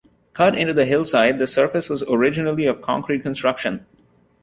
Cut into the hillside, the surface was originally of concrete construction.